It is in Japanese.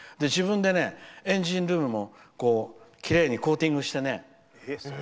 自分でエンジンルームもきれいにコーティングしてね。